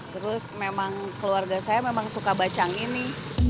terus memang keluarga saya memang suka bacang ini